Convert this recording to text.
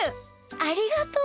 ありがとう！